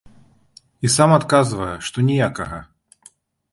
І сам адказвае, што ніякага.